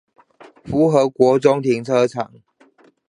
福和國中停車場